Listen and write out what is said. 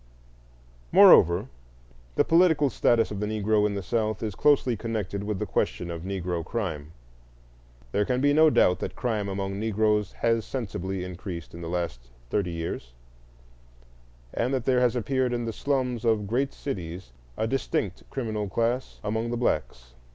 Moreover, the political status of the Negro in the South is closely connected with the question of Negro crime. There can be no doubt that crime among Negroes has sensibly increased in the last thirty years, and that there has appeared in the slums of great cities a distinct criminal class among the blacks.